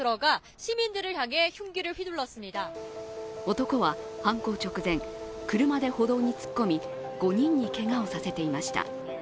男は犯行直前、車で歩道に突っ込み、５人に、けがをさせていました。